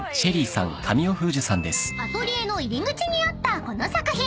［アトリエの入り口にあったこの作品］